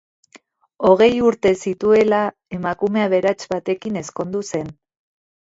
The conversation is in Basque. Hogei urte zituela, emakume aberats batekin ezkondu zen.